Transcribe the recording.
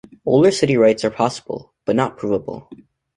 Older city rights are possible, but not provable.